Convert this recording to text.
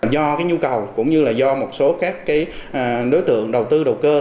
do cái nhu cầu cũng như là do một số các đối tượng đầu tư đầu cơ